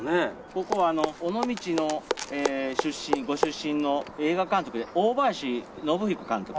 ここは尾道のご出身の映画監督で大林宣彦監督。